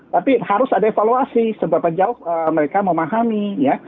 tapi harus ada evaluasi seberapa jauh mereka memahami ya